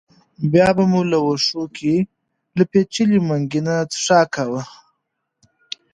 بیا به مو له وښو کې له پېچلي منګي نه څښاک کاوه.